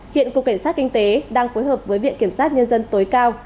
hiện cục cảnh sát kinh tế đang phối hợp với viện kiểm sát nhân dân tối cao